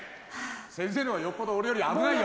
先生の方がよっぽど俺より危ないよ。